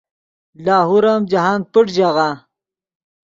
لاہور ام جاہند پݯ ژاغہ